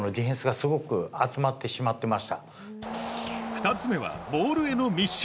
２つ目はボールへの密集。